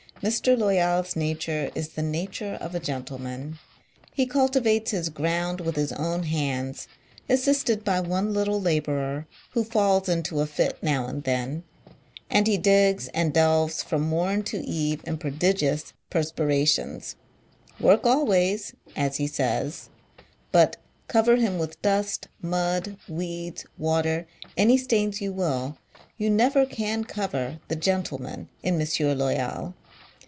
M. Loyal's nature is the nature of a gentleman. He cultivates his ground with his own hands (assisted by one little labourer, who falls into a fit now and then) ; and he digs and delves from morn to eve in prodigious perspirations —" works always," as he says — but, cover him with dust, mud, weeds, water, any stains you will, you never can cover the gentleman in M. Loyal.